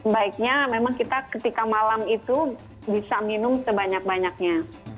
baiknya memang kita ketika malam itu bisa minum sebanyak banyaknya